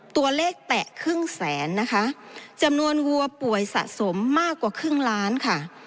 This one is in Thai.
แตะครึ่งแสนนะคะจำนวนวัวป่วยสะสมมากกว่าครึ่งล้านค่ะ